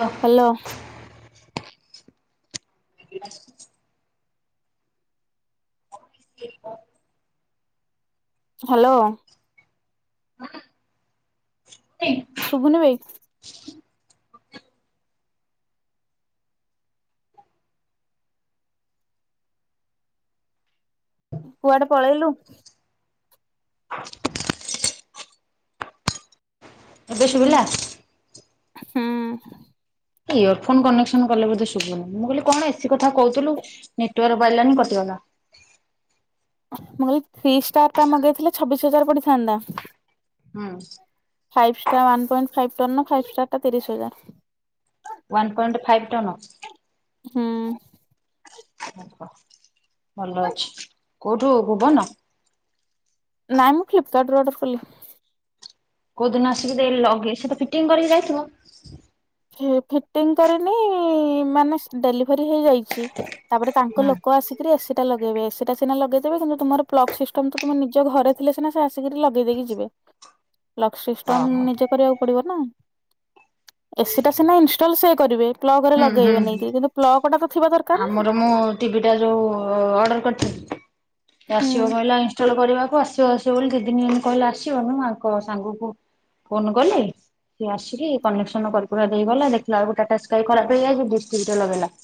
ହଁ। ହାଲୋ। ହ। Hello. Hello. ି [inaudible] ଶୁଭୁ ନି ବେ? କୁଆଡେ ପଳେଇଲୁ? ଏବେ ଶୁଭିଲା? ହୁଁ। ଇୟର ଫୋନ କନେକ୍ସନ କଲେ ବୋଧେ ଶୁଭ ନାହିଁ ମୁଁ କହିଲି କଣ ଏସି କଥା କହୁଥିଲୁ। ନେଟୱାର୍କ ପାଇଲାାନି କଟିଗଲା। ମୁଁ କହିଲି ପ୍ରିଯିଟା ଷ୍ଟାର ଟା ମଗେଇଥିଲେ ଛବିଶି ହଜାର ପଡିଥାନ୍ତା? ହୁଁ। Five star one point five ton five star ଟା ତରିଶ ହଜାର। ୱାନ୍ ପଏଣ୍ଟ ଫାଇଭ୍ ଟନ୍ ହୁଁ। ଭଲ ଅଛି କଉଠୁ ଭୁବନ? ନାଇଁ ମୁଁ ଫ୍ଲିପକାର୍ଟ ରୁ ଅର୍ଡର କଲି। କଉ ଦିନ ଆସିବି ଦେ ଲଗେ- ସେ ତ ଫିଟିଙ୍ଗ୍ କରିକି ଯାଇଥିବ। ଫିଟିଙ୍ଗ୍ କରିନି ମାନେ ଡେଲିଭରି ହେଇଯାଇଚି। ତାପରେ ତାଙ୍କ ହୁଁ ଲୋକ ଆସି ତାପରେ ଏସି ଟା ଲଗେଇବେ ଏସି ଟା ସିନା ଲଗେଇଦେବେ କିନ୍ତୁ ତୁମର ପ୍ଲଗ୍ ସିଷ୍ଟମ୍ ତୁମ ନିଜ ଘରେ ଥିଲେ ସିନା ସେ ଆସିକି ଲଗେଇ ଦେଇକି ଯିବେ। ଲକ୍ ସିଷ୍ଟମ୍ ଓହୋ ନିଜେ କରିବାକୁ ପଡିବ ନା। ଏସି ଟା ସିନା ଇନଷ୍ଟଲ୍ ସେ କରିବେ ପ୍ଲଗ ରେ ହୁଁ ଲଗେଇବେ ହୁଁ ନେଇକି କିନ୍ତୁ ପ୍ଲଗ ଟା ତ ଥିବା ଦର୍ ଆମର ମୁଁ ଟିଭି ଟା ଯଉ ଅର୍ଡର କରିଥିଲି ସେ ହୁଁ ଆସିବ କହିଲା ଇନଷ୍ଟଲ କରିବାକୁ ଆସି [unintelligible] ଦି ଦିନ ଦିନ କହିଲେ [unintelligible] ଆଙ୍କ ସାଙ୍ଗ କୁ ଫୋନ କଲି ସିଏ ଆସିକି କନେକ୍ସନ୍ କରିକୁରା ଦେଇ ଗଲା ଦେଖିଲା ବଳକୁ ଟାଟା ସ୍କାଇ ଖରାପେ ହେଲା ଯେ ଡିସ୍ ଟିଭି ଟା ଲଗେଇଲା।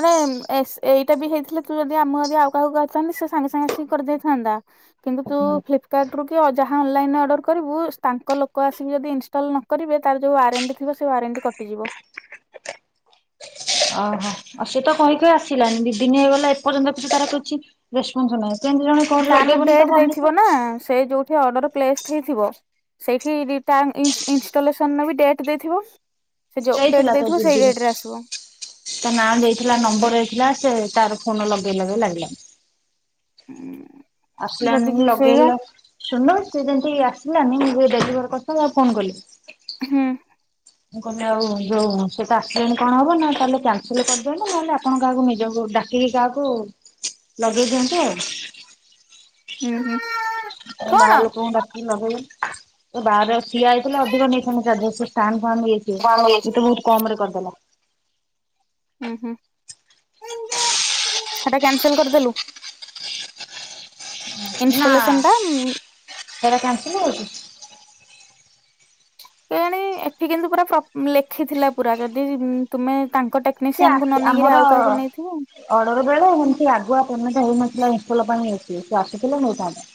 ଆରେ ଏସ୍-ଏଇଟା ବି ହେଇଥିଲେ ତୁ ଯଦି ଆମ ଘରେ ଆଉ କାହାକୁ କହିଥାନ୍ତୁ ସେ ସାଙ୍ଗେ ସାଙ୍ଗେ ଆସି କରିଦେଇଥାନ୍ତା। କିନ୍ତୁ ତୁ ଓହୋ କାର୍ଟରୁ କି ଅ- ଯାହା ଅନଲାଇନ୍ ରେ ଅର୍ଡ଼ର କରିବୁ ତାଙ୍କ ଲୋକ ଆସିକି ଯଦି ଇନଷ୍ଟଲ୍ ନ କରିବେ ତାର ଯଉ ୱାରେଣ୍ଟି ଥିବ ସେ ୱାରେଣ୍ଟି କଟିଯିବ। ଓହୋ ଆଉ ସେ ତ କହିକି ଆସିଲାନି ଦି ଦିନି ହେଇଗଲା ଏପର୍ଯ୍ୟନ୍ତ କିଛି ତାର କିଛି ରେସ୍ପନ୍ସ ନାହିଁ କେମିତି ଜଣେ କଣ ତାର ଲଗେଇବନି ଡେଟ୍ ତାକୁ ଅନେଇବ ଦେଇଥିବ ନା ସେ ଯଉଠି ଅର୍ଡର ପ୍ଲେସ୍ ହେଇଥିବ ସେଇଠି [unintelligible] ଇନ୍- ଇନଷ୍ଟଲସନ ବି ଡଟ୍ ଦେଇଥିବ ସେ ଯଉ ଡେଟ୍ ଦେଇଥିଲା ତ ଦେଇଥିବ ସେଇ ଦିଦିକି ଡେଟ୍ ରେ ଆସିବ। ତା ନାଁ ଦେଇଥିଲା ନମ୍ବର ଦେଇଥିଲା ସେ ତାର ଫୋନ ଲଗେଇଲା ଯେ ଲାଗିଲାନି। ହୁଁ ଆସିଲାନି ଲଗେଇଲା ଶୁଣ ସିଏ ଯେମତି ଆସିଲାନି ମୁଁ ଡେଲିଭର କଷ୍ଟମର୍ କୁ ଫୋନ କଲିି। ହୁଁ। ମୁଁ କହିଲି ଆଉ ଯଉ ସେତ ଆସିଲେଣି କଣ ହବ ନା ତାହେଲେ କ୍ୟାନସଲେ କରିଦିଅନ୍ତୁ ନହେଲେ ଆପଣ କାହାକୁ ନିଜକୁ ଡା ଚି ଯାହାକୁ ଲଗେଇ ଦିଅନ୍ତୁ ଆଉ। ଉଁ- ହୁଁ। କଣ? ବାହାର ଲୋକଙ୍କୁ ଡାକି ଲଗେଇ ବାହାରେ ସିଏ ଆଇଥିଲେ ଅଧିକ ନେଇଥାନ୍ତା ଚାର୍ଜେସ୍ ଫ୍ୟାନ୍ -ଫ୍ୟାନ୍ [unintelligible] ହୁଁ ହୁଁ ଇଏ ତ ବହୁତ୍ କମ୍ ରେ କରିଦେଲା। ହୁଁ- ହୁଁ ହେଟା କ୍ୟାନ୍ସଲ୍ କରିଦେଲୁ? ନା ଇନଷ୍ଟଲେସନ ଟା ସେଟା କ୍ୟାନ୍ସେଲେ ହଉଚି। କେଜାଣି ଏଠି କିନ୍ତୁ ପୁରା ପ୍ର-ଲେଖିଥିଲା ପୁରା ଯଦି ତୁମେ ତାଙ୍କ ଟେ ସେ ଟେକ୍ନିସିଆନ୍ କୁ ଆସି ନ ନେଇକିରି ଆମର ଆଉ କାହାକୁ ନେଇଥିବ। ଅର୍ଡର ବେଳେ ଏମିତି ଆଗୁଆ ପେମେଣ୍ଟ୍ ହେଇନଥିଲା ଇନ୍ଷ୍ଟଲ ପାଇଁ ସେ [unintelligible] ଆସିଥିଲେ ନେଇଥାନ୍ତେ।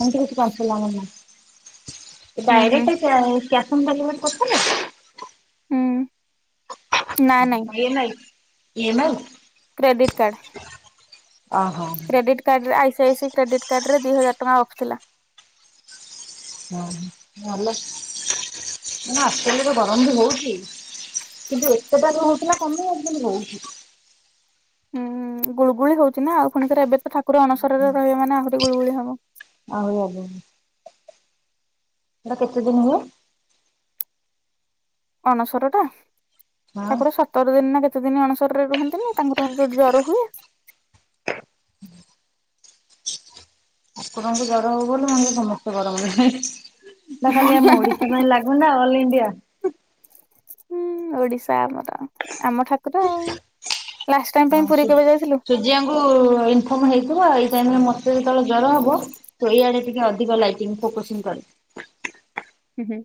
ହେମିତି କିଛି ପାର୍ସଲ ଆମର ନାହିଁ। [inaudible] ଡାଇରେକ୍ଟେ କ୍ୟା-କ୍ୟାସ୍ ଅନ୍ ଡେଲିଭରି କରିଥିଲେ? ହୁଁ ନା ନାଇଁ [unintelligible] ଇଏମ୍ଆଇ। Credit card. ଓହୋ। କ୍ରେଡିଟ୍ କାର୍ଡ ରେ ଆଇସି ଆଇ ସି କ୍ରେଡିଟ୍ କାର୍ଡରେ ଦି ହଜାର୍ ଟଙ୍କା ଅଫ୍ ଥିଲା। ହ ଭଲ ଏଇନା ଆସିଲି ଯଉ ଗରମ ବି ହଉଚି। କିନ୍ତୁ ଏତେଟା ଯଉ ହଉଥିଲା କମିଯାଇଛି କିନ୍ତୁ ହଉଛି ହୁଁ ଗୁଳଗୁଳି ହଉଛି ନା ଆଉ ପୁଣିଥରେ ଏବେ ତ ଠାକୁର ଅଣସରରେ ରହିବେ ମାନେ ଆହୁରି ଗୁଳୁଗୁଳି ହବ। ଆହୁରି ଆଗକୁ। ହେଟା କେତେ ଦିନି ହୁଏ? ଅଣସର ଟା ହଁ ଠାକୁର ସ ସାତ ଦିନି ନା କେତେ ଦିନ ଅଣସରରେ ରୁହନ୍ତିିନି ତାଙ୍କର ଯୋଉ ଜର ହୁଏ। ଠାକୁରଙ୍କୁ ଜର ହବ ବୋଲି ମଣିଷ ସମସ୍ତେ ଗରମରେ ନା ଖାଲି ଆମ ଓଡିଶ ସେଥିପାଇଁ ଲାଗୁନା ଅଲ୍ ଇଣ୍ଡିଆ। ହୁଁ ଓଡିଶା ଆମର ଆମ ଠାକୁର ଆଉ ଲାଷ୍ଟ ଟାଇମ ପାଇଁ ହଁ ପୁରୀ କେବେ ଯାଇଥିଲୁ? ସୁୂର୍ଯ୍ୟାଙ୍କୁ ଇନଫର୍ମ ହେଇଥିବ ଏଇ ଟାଇମ ରେ ମତେ ଯେତେବେଳେ ଜର ହବ ସେଇ ଆଡେ ଟିକେ ଅଧିକ ଲାଇଟିଂ ଫୋକସିଂ କରେ। ହୁଁ ହୁଁ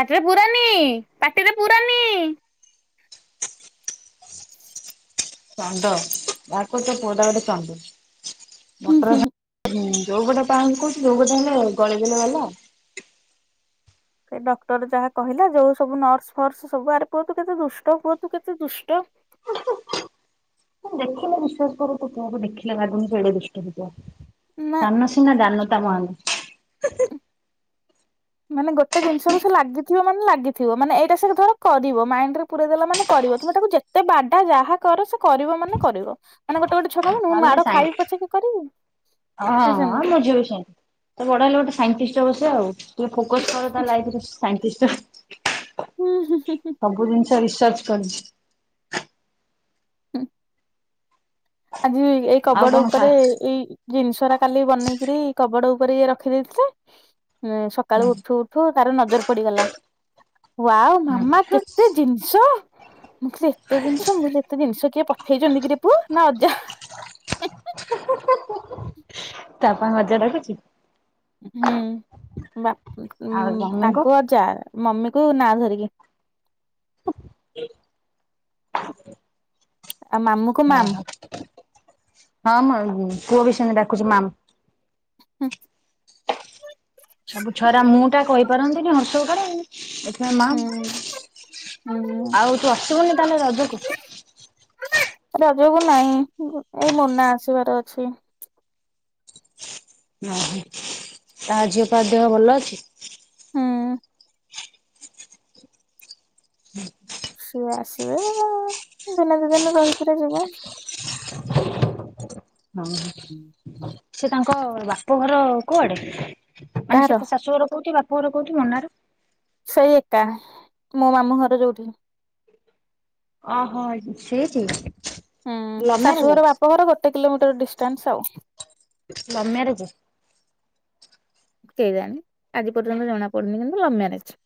ପାଟିରେ ପୁରାନୀ ପାଟିରେ ପୁରାନୀ ଚଣ୍ଡ ଘକୁଛ ତୋ ପୁଅଟା ଗୋଟେ ଚଣ୍ଡୀ ହୁଁ ମଟର ହୁଁ ହୁଁ। ଗା ହୁଁ ଯୋଉ ଗୋଟେ ପା କହୁଛି ଯୋଉ ଗୋଟେ ହେଲେ ଗଳେଇଦେଲେ ଗଲା। ସେ ଡକ୍ଟର ଯାହା କହିଲା ଯୋଉ ସବୁ ନର୍ସ ଫର୍ସ ସବୁ ଆରେ ପୁଅ ତୁ କେତେ ଦୁଷ୍ଟ ପୁଅ କେତେ ଦୁଷ୍ଟ ମୁଁ ଦେଖିଲେ ବିଶ୍ୱାସ କର ତୁ ପୁଅକୁ ଦେଖିଲେ ଲାଗୁନି ଏଡେ ଦୁଷ୍ଟ ହେଇଥିବ ନା ସାନ ସିନା ଦାନତା ମୋହାନ। ମାନେ ଗୋଟେ ଜିନିଷକୁ ସେ ଲାଗିଥିବ ମାନେ ଲାଗିଥିବ ମାନେ ଏଇଟା ସେ ଧର କରିବ ମାଇଣ୍ଡ ରେ ପୁରେଇ ଦେଲା ମାନେ କରିବ ତମେ ତାକୁ ଯେ ଯେତେ ବାଡା ଯାହା କର ସେ କରିବ ମାନେ କରିବ। ମାନେ ଗୋଟେ ଗୋଟେ ଛୁଆକହନ୍ତିନି ମୁଁ ତାହେଲେ ମାଡ ସାଇନ୍ସ ଖାଇବି ପଛକେ କରିବି ସେ ସେମିତି। ଟୁସନ୍‌। ତ ବଡ ହେଲେ ଗୋଟେ ସାଇଣ୍ଟିଷ୍ଟ ହବ ସେ ଆଉ ଟିକେ ଫୋକସ କର ତା ଲାଇପ୍ ରେ ସାଇଣ୍ଟିଷ୍ଟ ହଉ ହୁଁ ହୁଁ ହୁଁ ହୁଁ। ସବୁ ଜିନିଷ ରିସର୍ଚ୍ଚ କରିଛି। ଆଜି ଏଇ ଆଉ କବଡ କଣ ଖା ଉପରେ ଏଇ ଜିନିଷ ରା କାଲି ବନେଇକିରି କବଡ ଉପରେ ଇଏ ରଖିଦେଇଥିଲେ ସକାଳୁ ହୁଁ ଉଠୁ ଠୁ ତାର ନଜର ପଡିଗଲା ୱାଓ ମାମା ହୁଁ କେତେ ଜିନିଷ। ମୁଁ କହିଲି ଏତେ ଜିନିଷ ମୁଁ କହିଲି ଏତେ ଜିନିଷ କିଏପଠେଇଛନ୍ତି କିରେ ପୁଅ ନା ଅଜା। ତ ବାପାଙ୍କୁ ଅଜାଡାକୁଛି। ହୁଁ ଆଉ ମମିଙ୍କୁ ତାଙ୍କୁ ଅଜା ମମିକୁ ନା ଧରିକି। [inaudible] ଆଉ ମାମୁକ୍ ଓହୋ ହଁ ମୁଁ ପୁଅ ବି ସେମିତି ଡାକୁଛି ମାମ୍‌ ହୁଁ। ସବୁ ଛୁଆଗୁରା ମୁଁ ଟା କହିପାରନ୍ତିନି ହର୍ଷଉ କାର। ଏ ମାମ ହୁଁ ହୁଁ। ଆଉ ତୁ ଆସିବୁନି ତାହେଲେ ରଜକୁ? ରଜକୁ ନାଇଁ ଏଇ ମୁନା ଆସିବାର ଅଛି। ଅହଁ ଆଉ ଝିଅ ପା ଦେହ ଭଲ ଅଛି? ହୁଁ। ସିଏ ଆସିବେ ଦିନେ ଦି ଦିନ ରହିକିରି ଯିଵେ। [inaudible] ହଁ ସେ ତାଙ୍କ ବାପଘର କୁଆଡେ? ମାନେ କାହାର ସେ ତା ଶାଶୁ ଘର କୋଉଠି ବାପା ଘର କୋଉଠି ମୋନା ରୁ ସେଇ ଏକା ମୋ ମାମୁଁ ଘର ଯୋଉଠି। ଓହୋ ସେଇଠି। ହୁଁ ଲଭ୍ ମ୍ୟାରେଜ ଶାଶୁଘର ବାପଘର ଗୋଟେ କିଲୋମିଟର ଡିଷ୍ଟାନ୍ସ ଆଉ ଲଭ ମ୍ୟାରେଜ। କେଜାଣି ଆଜି ପର୍ଯ୍ୟନ୍ତ ଜଣା ପଡୁନି କିନ୍ତୁ ଲଭ ମ୍ୟାରେଜ।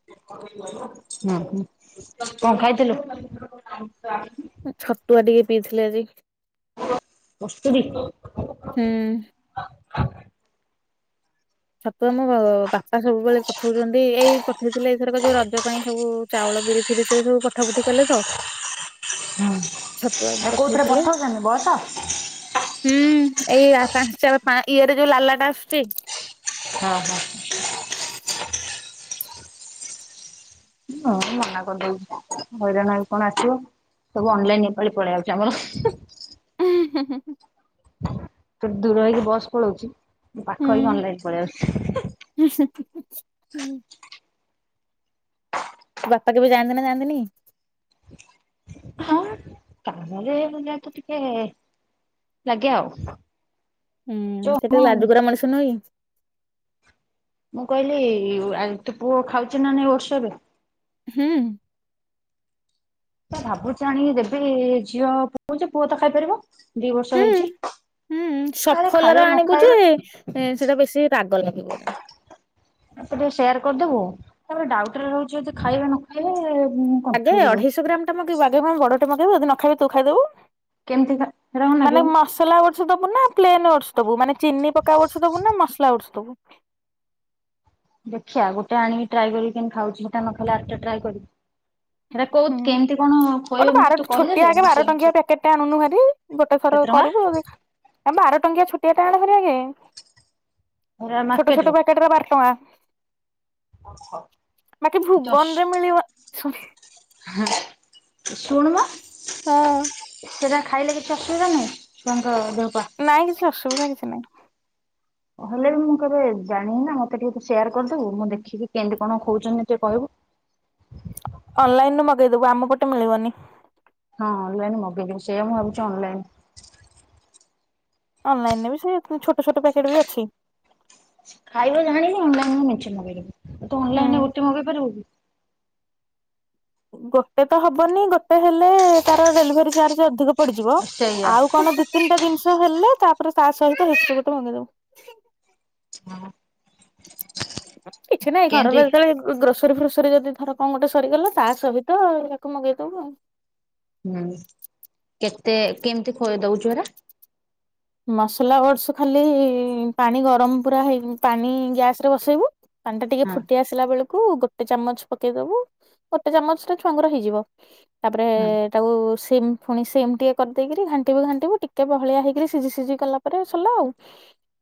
ହଁ ହଁ, କଁ ଖାଇଥିଲୁ? ଛତୁଆ ଟିକେ ପିଇଥିଲି ଆଜି। କସ୍ତୁରୀ। ହୁଁ। ଛତୁଆ ମୋ ବାପା ସବୁବେଳେ ପଠଉଛନ୍ତି ଏଇ ପଠେଇଥିଲେ ଏଇଥରକ ଯୋଉ ରଜ ପାଇଁ ସବୁ ଚାଉଳ ବିରି ଫିରି ସ ସବୁ ପଠା ପଠି କଲେ ତ। ହୁଁ, ଛତୁଆ ବି ଆ କଉଥିରେ ପଠେଇଥିଲେ ପଠଉଛନ୍ତି ବସ? ହୁଁ, ଏଇ ପାଞ୍ଚ ଇଏରେ ଯୋଉ ଲାଲାଟା ଆସୁଛି। ହଁ ହଁ। ହଁ ମନା କରିଦୋଉଚି ହଇରାଣ ହେଇ କଣ ଆସିବ? ସବୁ ଅନଲାଇନ ଏପାଳି ପଳେଇଆଉଚି ଆମର। ଉଁ, ହୁଁ ହୁଁ। ତୋର ଦୂର ହେଇକି ବସ୍ ପଳଉଚି, ମୋ ପାଖ ହେଇକି ହୁଁ ଅନଲାଇନ ପଳେଇ ଆଉଛି। [unintelligible] ବାପା କେବେ ଯାଆନ୍ତି ନା ଯାଆନ୍ତିନି? ହଁ। ତାହେଲେ ଯେହେତୁ ଟିକେ ଲାଗେ ଆଉ। ହୁଁ, ଯୋଉ ସେ ଟିକେ ଆମ ଲାଜକୁରା ମଣିଷ ନୁହଁ କି। ମୁଁ କହିଲି ଆଉ ତୋ ପୁଅ ଖାଉଛି ନା ନାଇ ଓଷଦ? ହୁଁ। ଭାବୁଛି ଆଣୀକି ଦେବି ଝିଅ ପକଉଛି ପୁଅ ତ ଖାଇପାରିବ? ଦି ବର୍ଷ ହୁଁ ହେଇଛି, ଆରେ ଖାଇବେ ନ ଖାଇବେ। ସେଇଟା ବେଶୀ ରାଗ ଲାଗିବନି। ମତେ ଟିକେ ସେୟାର କରିଦବୁ, ତାପରେ ଡାଉଟରେ ରହୁଛି ଯଦି ଖାଇବେ ନ ଖାଇବେ। ଆଗେ କନଫ୍ୟୁଜ ରହୁଛି। ଅଢେଇଶହ ଗ୍ରାମଟା ମଗେଇବୁ, ଆଗେ ବଡଟା ମଗେଇବୁ ଯଦି ନଖାଇବେ ତୁ ଖାଇଦବୁ। କେମିତି ଖା, ହେରା କଣ ମାନେ ନାଗିବ ମ? ମସଲା ଓଡ଼ସ ଦବୁ ନା ପ୍ଲେନ୍ ଓଡସ ଦବୁ, ମାନେ ଚିନି ପକା ଓଡସ ଦବୁ ନା ମସଲା ଉଡସ ଦବୁ? ଦେଖିଆ ଗୋଟେ ଆଣି ଟ୍ରାଏ କରିବି କେମି ଖାଉଛି ଗୋଟେ ନ ଖାଇଲେ ଆରଟା ଟ୍ରାଏ କରିବି। ହେରା କୋଉ ହୁଁ, କେମିତି କଣ ଖୋଇବ ଗୋଟେ ମତେ ବାର ତୁ ଛୋଟିଆ କହିଦେଲେ ଆଗେ ମୁଁ ବାର ସେଇ ଟଙ୍କିଆ ଅନୁସାରେ ପ୍ୟାକେଟଟେ ଆଣୁନୁ ଭାରି। ଗୋଟେ ଥର କେତେ ଟଙ୍କା? କରିବୁ ଯଦି ଆ ବାର ଟଙ୍କିଆ ଛୋଟିଆ ଆଣେ ଭାରି ଆଗେ। ହେରା ଛୋଟ ଛୋଟ ମାର୍କେଟରୁ ପ୍ୟାକେଟରା ବାର ଟଙ୍କା। ବାକି ଭୁବନରେ ମିଳିବ, [unintelligible] ଶୁଣ ମ। ହଁ। ସେରା ଖାଇଲେ କିଛି ଅସୁବିଧା ନାହିଁ, ଛୁଆ ଙ୍କ ଦେହ ପା? ନାଇଁ କିଛି ଅସୁବିଧା କିଛି ନାଇଁ। ହେଲେ ବି ମୁଁ କେବେ ଜାଣିନି ନା ମତେ ଟିକେ ସେୟାର କରିଦେବୁ ମୁଁ ଦେଖିକି କେମିତି କଣ ଖୋଉଛନ୍ତି ଟିକେ କହିବୁ। ଅନଲାଇନରୁ ମଗେଇଦବୁ, ଆମ ପଟେ ମିଳିବନି। ହଁ ଅନଲାଇନ୍ ମଗେଇଦେବି ସେୟା ମୁଁ ଭାବୁଛି ଅନଲାଇନ୍। ଅନଲାଇନରେ ବି ସେଇ ଛୋଟ ଛୋଟ ପ୍ୟାକେଟବି ଅଛି। ଖାଇବା ଜାଣିନି ଅନଲାଇନ ରୁ ମେଞ୍ଚେ ମଗେଇଦବୁ, ତୁ ହୁଁ ଅନଲାଇନରେ ଗୋଟେ ମଗେଇ ପାରିବୁ କି। ଗୋଟେ ତ ହବନି ଗୋଟେ ହେଲେ ତାର ଡେଲିଭରି ଚାର୍ଜ ଅଧିକ ପଡିଯିବ, ସେଇଆ ଆଉ କଣ ଦି ତିନିଟା ଜିନିଷ ହେଲେ ତାପରେ ତା ସହିତ ଏଥୁରୁ ଗୋଟେ ମଗେଇଦବୁ। କିଛି ନାହିଁ ଘର। କେମିତି [unintelligible] ଗ୍ରୋସରୀ ଫ୍ରୋସରୀ ଯଦି ଧର କଣ ଗୋଟେ ସରିଗଲା ତା ସହିତ ୟାକୁ ମଗେଇଦବୁ ଆଉ। ହୁଁ। କେତେ କେମତି ଦଉଚୁ ହେରା? ମସଲା ଓଟସ୍ ଖାଲି ପାଣି ଗରମ ପୁରା ହେଇ ପାଣି ଗ୍ୟାସରେ ବସେଇବୁ ପାଣି ଟା ଟିକେ ହଁ ଫୁଟି ଆସିଲା ବେଳକୁ ଗୋ ଗୋଟେ ଚାମଚ ପକେଇଦବୁ। ଗୋଟେ ଚାମଚ ରେ ଛୁଆଙ୍କର ହେଇଯିବ। ତାପରେ ହଁ ତାକୁ ସିମ୍ ପୁଣି ସିମ୍ ଟିକେ କରିଦେଇକିରି ଘାଣ୍ଟିବୁ ଘାଣ୍ଟିବୁ ଟିକେ ବହଳିଆ ହେଇକିରି ସିଝି ସିଝି ଗଲା ପରେ ସରିଲା ଆଉ।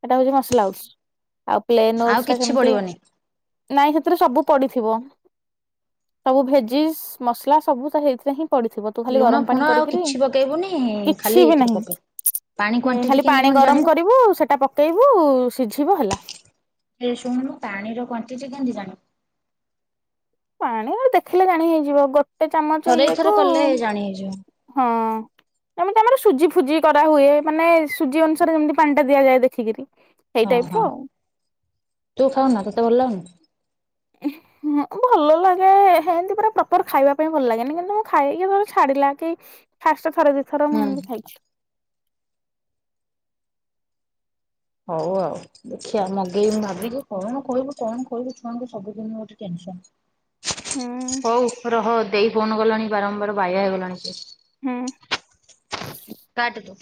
ଏଟା ହଉଚି ମସଲା ଓଟସ୍। ଆଉ ପ୍ଲେନ୍ ଆଉ ଓଟସ୍ ଟା କିଛି ସେମତି ପଡିବନି। ନାଇଁ ସେଥିରେ ସବୁ ପଡିଥିବ। ସବୁ ଭେଜିସ୍ ମସଲା ସବୁ ହେଇଥିରେ ହିଁ ପଡିଥିବ। ତୁ ଖାଲି ଲୁଣ ଗରମ ଫୁଣ ପାଣି ଆଉ କରିକିରି, କିଛି ପକେଇବୁନି ଖାଲି କିଛି ବି ଏଇଥିରୁ ନାହିଁ। ପକେଇବୁ। ପାଣି ହୁଁ। କ୍ୱାଣ୍ଟିଟି ଖାଲି କେମିତି ପାଣି କଣ ଗରମ ଜାଣିବୁ କରିବୁ, ସେଇଟା ପକେଇବୁ ସିଝିବ ହେଲା। ଏଇ ଶୁଣୁନୁ ପାଣିର କ୍ୱାଣ୍ଟି କେମିତି ଜାଣୁ? ପାଣିର ଦେଖିଲେ ଜାଣି ହେଇଯିବ। ଗୋଟେ ଚାମଚ ଥରେ ଇଏ ଦିଥର କୁ କଲେ ଜାଣି ହେଇଯିବ ହଁ। ଯେମିତି ଆମର ସୁଜି ଫୁଜି କରାହୁଏ, ମାନେ ସୁଜି ଅନୁସାରେ ଯେମିତି ପାଣି ଟା ଦିଆଯାଏ ଦେଖିକିରି। ସେଇ ହଁ ଟାଇପ ର ହଁ। ଆଉ। ତୁ ଖାଉନା ତତେ ଭଲ ଲାଗୁନି? ଉ ହଁ ଭଲ ଲାଗେ, ହେନ୍ତି ପୁରା ପ୍ରପର ଖାଇବା ପାଇଁ ଭଲ ଲାଗେନି। କିନ୍ତୁ ମୁଁ ଖାଏ କିଏ ଧର ଛାଡ଼ିଲା କି ଫାଷ୍ଟ ଥରେ ଦି ଥର ମୁଁ ହୁଁ। ଏମିତି ଖାଇଚି। ହଉ ଆଉ। ଦେଖିଆ ମଗେଇବି ମୁଁ ଭାବିଚି। କଣ ଖୋଇବୁ କଣ ଖୋଇବୁ ଛୁଆଙ୍କୁ ସବୁଦିନ ଗୋଟେ ଟେନସନ୍। ହୁଁ ହଉ ରହ, ଦେଇ ଫୋନ୍ କଲାଣି ବାରମ୍ବାର ବାଇଆ ହେଇଗଲାଣି ସେ। ହୁଁ। କାଟେ ତୁ।